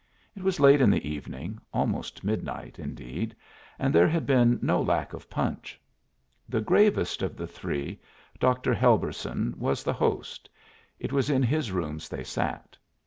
It was late in the evening, almost midnight, indeed, and there had been no lack of punch. The gravest of the three, Dr. Helberson, was the host it was in his rooms they sat.